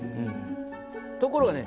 ところがね